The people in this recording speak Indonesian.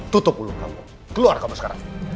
tutup dulu kamu keluar kamu sekarang